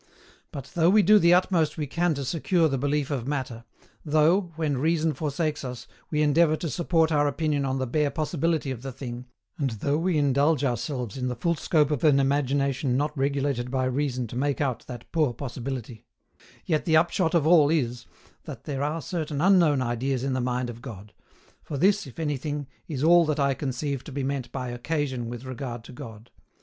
But, though we do the utmost we can to secure the belief of Matter, though, when reason forsakes us, we endeavour to support our opinion on the bare possibility of the thing, and though we indulge ourselves in the full scope of an imagination not regulated by reason to make out that poor possibility, yet the upshot of all is, that there are certain unknown Ideas in the mind of God; for this, if anything, is all that I conceive to be meant by occasion with regard to God.